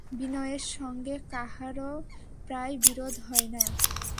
বিনয়ের সঙ্গে কাহারো প্রায় বিরোধ হয় না।